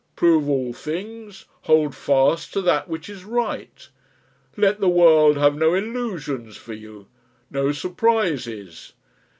Prove all things, hold fast to that which is right. Let the world have no illusions for you, no surprises.